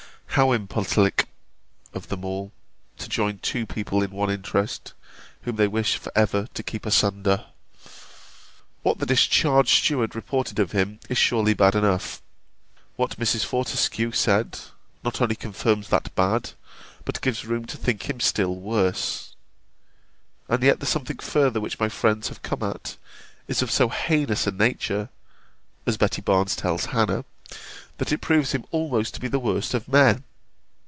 How impolitic in them all, to join two people in one interest, whom they wish for ever to keep asunder! What the discharged steward reported of him is surely bad enough: what Mrs. Fortescue said, not only confirms that bad, but gives room to think him still worse. And yet the something further which my friends have come at, is of so heinous a nature (as Betty Barnes tells Hannah) that it proves him almost to be the worst of men.